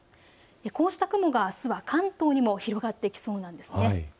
こうした雲があすは関東にも広がってきそうなんですね。